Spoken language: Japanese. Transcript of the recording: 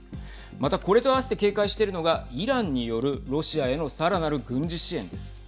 また、これと併せて警戒しているのがイランによるロシアへのさらなる軍事支援です。